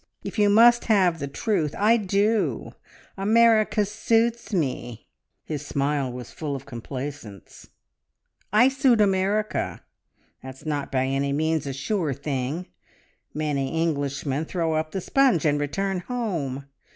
If you must have the truth I do! America suits me!" his smile was full of complacence "I suit America. That's not by any means a sure thing. Many Englishmen throw up the sponge and return home.